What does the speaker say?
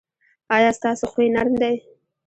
ایا ستاسو خوی نرم دی؟